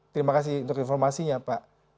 terima kasih untuk informasinya pak